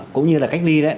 cũng như là cách ly đấy